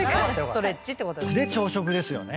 で朝食ですよね。